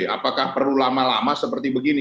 apakah perlu lama lama seperti begini